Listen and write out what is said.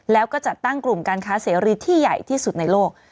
แล้วก็จัดตั้งกลุ่มการค้าเสรีที่ใหญ่ที่สุดในโลก